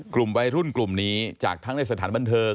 กลุ่มวัยรุ่นกลุ่มนี้จากทั้งในสถานบันเทิง